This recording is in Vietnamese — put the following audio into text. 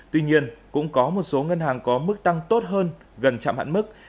tuy nhiên cũng có một số ngân hàng có mức tăng tốt hơn gần chậm hẳn mức